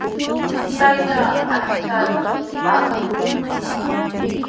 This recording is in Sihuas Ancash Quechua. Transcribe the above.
Taytaami aqchaata rutupaamaq.